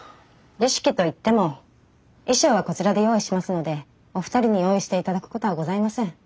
儀式といっても衣装はこちらで用意しますのでお二人に用意して頂くことはございません。